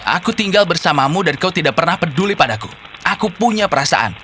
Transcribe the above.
aku tinggal bersamamu dan kau tidak pernah peduli padaku aku punya perasaan